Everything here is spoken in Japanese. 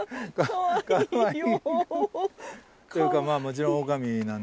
かわいいよ。